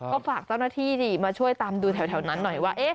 ก็ฝากเจ้าหน้าที่ดิมาช่วยตามดูแถวนั้นหน่อยว่า